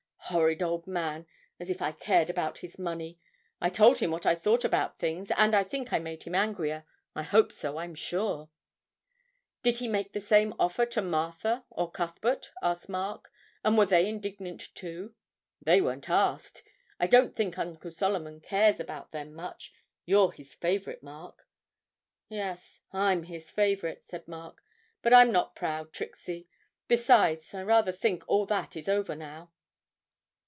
Horrid old man! As if I cared about his money! I told him what I thought about things, and I think I made him angrier. I hope so, I'm sure.' 'Did he make the same offer to Martha or Cuthbert?' asked Mark; 'and were they indignant too?' 'They weren't asked. I don't think Uncle Solomon cares about them much; you're his favourite, Mark.' 'Yes, I'm his favourite,' said Mark; 'but I'm not proud, Trixie. Besides, I rather think all that is over now.'